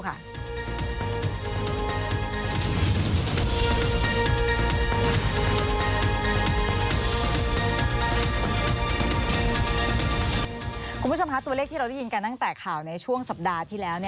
คุณผู้ชมคะตัวเลขที่เราได้ยินกันตั้งแต่ข่าวในช่วงสัปดาห์ที่แล้ว